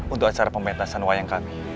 untuk acara pementasan wayang kami